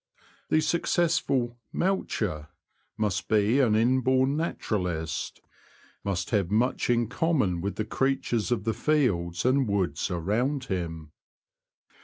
The successful ^'moucher" must be an inborn naturalist — must have much in common with the creatures of the fields and woods around him.